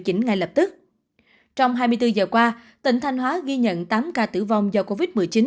chỉnh ngay lập tức trong hai mươi bốn giờ qua tỉnh thanh hóa ghi nhận tám ca tử vong do covid một mươi chín